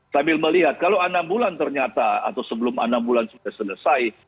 sambil melihat kalau enam bulan ternyata atau sebelum enam bulan sudah selesai